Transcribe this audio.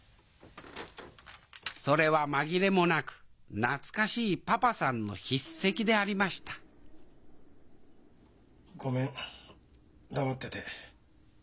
それは紛れもなく懐かしいパパさんの筆跡でありましたごめん黙ってて。